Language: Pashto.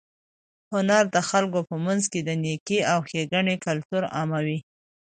هنر د خلکو په منځ کې د نېکۍ او ښېګڼې کلتور عاموي.